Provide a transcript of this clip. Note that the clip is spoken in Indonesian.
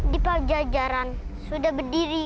di pajajaran sudah berdiri